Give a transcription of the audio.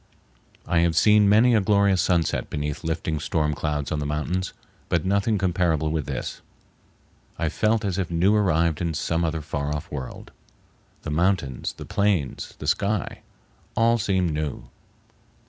I have seen many a glorious sunset beneath lifting storm clouds on the mountains, but nothing comparable with this. I felt as if new arrived in some other far off world. The mountains, the plains, the sky, all seemed new.